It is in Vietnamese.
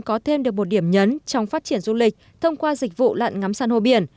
có thêm được một điểm nhấn trong phát triển du lịch thông qua dịch vụ lặn ngắm san hô biển